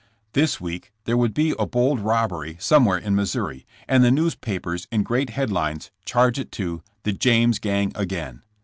This week there would be a bold robbery somewhere in Missouri, and the news papers in great head lines charge it to ''The James Gang Again."